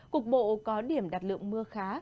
cục bộ có điểm đạt lượng mưa khá